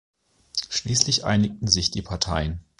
Schließlich einigten sich die Parteien.